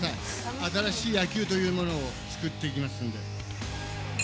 新しい野球というものを作っていきますんで。